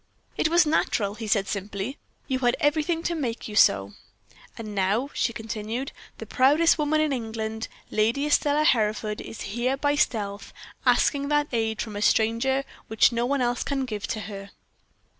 "It was natural," he said, simply; "you had everything to make you so." "And now," she continued, "the proudest woman in England, Lady Estelle Hereford, is here by stealth, asking that aid from a stranger which no one else can give to her."